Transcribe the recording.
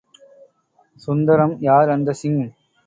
சுந்தரம், யார் அந்த சிங்?